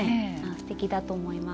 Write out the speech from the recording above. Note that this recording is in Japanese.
すてきだと思います。